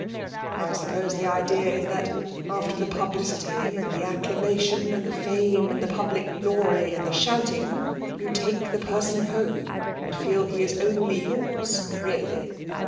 'I suppose the idea is that, after the publicity and the acclamation and the fame and the public glory and the shouting, you take the person home, and feel he is only yours, really.'